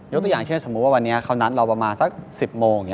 ตัวอย่างเช่นสมมุติว่าวันนี้เขานัดเราประมาณสัก๑๐โมง